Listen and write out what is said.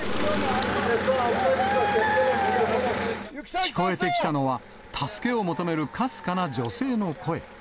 聞こえてきたのは、助けを求めるかすかな女性の声。